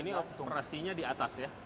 ini operasinya di atas ya